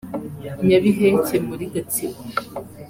Nyabiheke muri Gatsibo